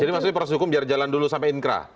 jadi maksudnya proses hukum biar jalan dulu sampai inkrah